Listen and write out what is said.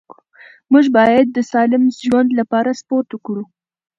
موږ باید د سالم ژوند لپاره سپورت وکړو